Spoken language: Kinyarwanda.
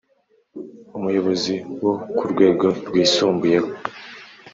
umuyobozi wo ku rwego rwisumbuyeho.